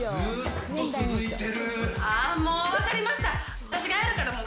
ああ、もう、分かりました！